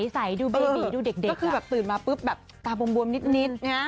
ใส่ดูเบบีดูเด็กก็คือแบบตื่นมาปุ๊บแบบตาบวมนิดนะ